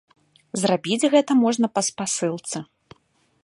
Зрабіць гэта можна па спасылцы.